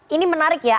ini menarik ya